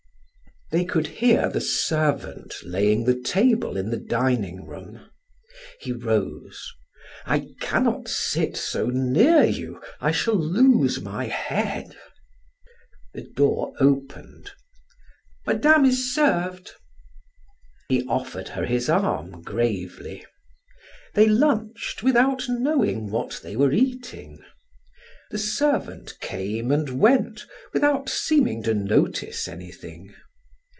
They could hear the servant laying the table in the dining room. He rose: "I cannot sit so near you. I shall lose my head." The door opened: "Madame is served!" He offered her his arm gravely. They lunched without knowing what they were eating. The servant came and went without seeming to notice anything.